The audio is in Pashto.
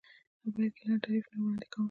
په پیل کې لنډ تعریف نه وړاندې کوم.